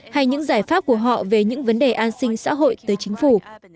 hay những giải pháp của họ về những vấn đề an sinh xã hội tới chính phủ